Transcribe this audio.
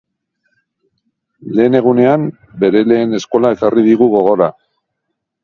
Lehen egunean, bere lehen eskola ekarri digu gogora.